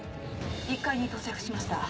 １階に到着しました。